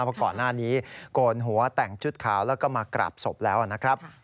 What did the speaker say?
เพราะก่อนหน้านี้โกนหัวแต่งชุดขาวแล้วก็มากราบศพแล้วนะครับ